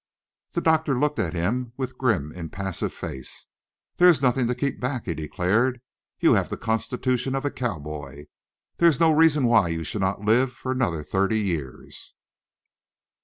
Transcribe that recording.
The doctor looked at him with grim, impassive face. "There is nothing to keep back," he declared. "You have the constitution of a cowboy. There is no reason why you should not live for another thirty years."